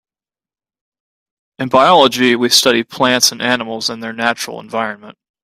In biology we study plants and animals in their natural environment.